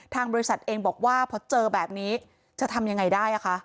ทางบริษัทเองบอกว่าพอเจอแบบนี้จะทำยังไงได้